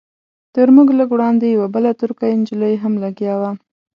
تر موږ لږ وړاندې یوه بله ترکۍ نجلۍ هم لګیا وه.